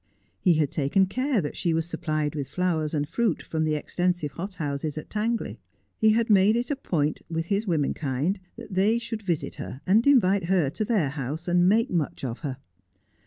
He had taken care that she was supplied with flowers and fruit from the extensive hothouses at Tangley. He had made it a point with his womenkind that they should visit her, and invite her to their house, and make much of her.